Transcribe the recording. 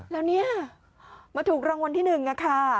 แล้วเนี่ยมาถูกรางวัลที่๑ค่ะ